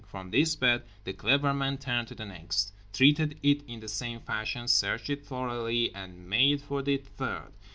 From this bed The Clever Man turned to the next, treated it in the same fashion, searched it thoroughly, and made for the third.